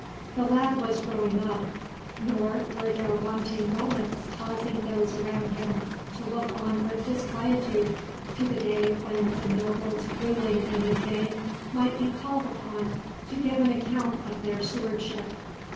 The lad was growing up; nor were there wanting moments causing those around him to look on with disquietude to the day when the nobles ruling in his name might be called upon to give an account of their stewardship.